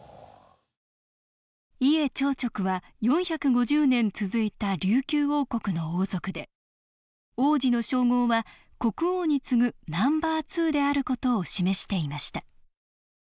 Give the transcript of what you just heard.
伊江朝直は４５０年続いた琉球王国の王族で王子の称号は国王に次ぐナンバーツーである事を示していました。